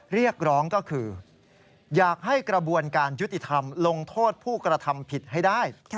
เรียกร้องก็คืออยากให้กระบวนการยุติธรรมลงโทษผู้กระทำผิดให้ได้